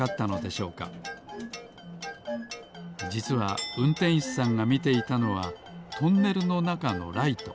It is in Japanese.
じつはうんてんしさんがみていたのはトンネルのなかのライト。